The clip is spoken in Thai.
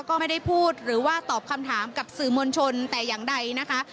ก็ไม่ได้พูดหรือว่าตอบคำถามกับสื่อมวลชนแต่อย่างใดนะคะ